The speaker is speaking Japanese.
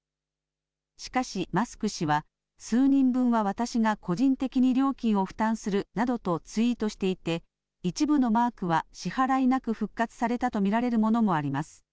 しかしマスク氏は数人分は私が個人的に料金を負担するなどとツイートしていて一部のマークは支払いなく復活されたと見られるものもあります。